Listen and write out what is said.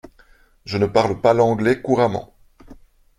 Je ne parle pas l’anglais couramment.